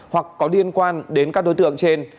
hoặc có liên quan đến các đối tượng trên